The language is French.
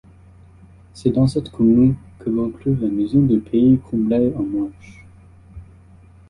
C'est dans cette commune que l'on trouve la maison du Pays Combraille en Marche.